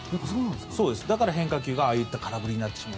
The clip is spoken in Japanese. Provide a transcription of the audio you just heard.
だから変化球が空振りになってしまう。